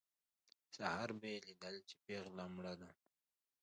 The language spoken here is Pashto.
سهار به یې لیدل چې پېغله مړه ده.